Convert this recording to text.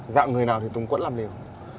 dạng người nào thì túng quẫn làm liều